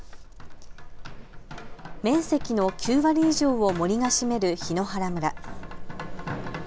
面積の９割以上を森が占める檜原村。